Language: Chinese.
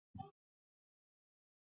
虽然上天眷顾的人不少